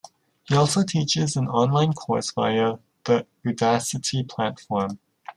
He also teaches an online course via the Udacity platform.